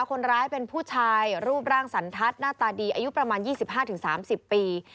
คนร้ายเป็นผู้ชายรูปร่างสันทัศน์หน้าตาดีอายุประมาณ๒๕๓๐ปี